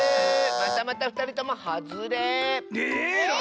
またまたふたりともハズレ！え